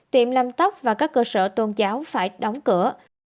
tiệm làm tóc và các cơ sở tôn giáo phải đóng cửa